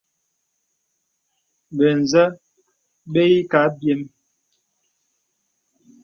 Bə̀zə̄ bə̀ ǐ kə̀ abyēm.